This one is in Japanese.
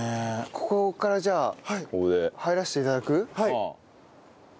ここからじゃあ入らせて頂く？